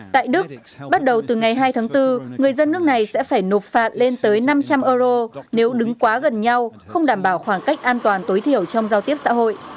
tại đức bắt đầu từ ngày hai tháng bốn người dân nước này sẽ phải nộp phạt lên tới năm trăm linh euro nếu đứng quá gần nhau không đảm bảo khoảng cách an toàn tối thiểu trong giao tiếp xã hội